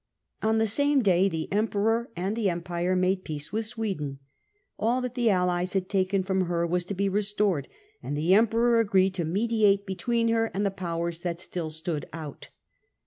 On the same day the Emperor and the Empire made Peace peace with Sweden. Ail that the allies had Emperor* 1 * ta ^ en fr° m ^ er was to be restored, and the and Sweden. Emperor agreed to mediate between her and the powers that still stood out.